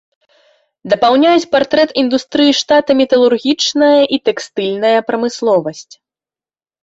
Дапаўняюць партрэт індустрыі штата металургічная і тэкстыльная прамысловасць.